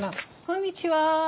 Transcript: こんにちは。